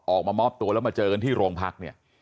ออกมามอบตัวแล้วมาเจอกันที่โรงพักเนี่ย